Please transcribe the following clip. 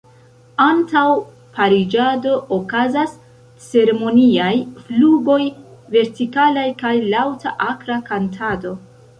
Antaŭ pariĝado okazas ceremoniaj flugoj vertikalaj kaj laŭta akra kantado.